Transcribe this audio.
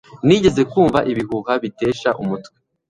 Nigeze kumva ibihuha bitesha umutwe